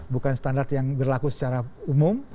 bukan standar yang berlaku secara umum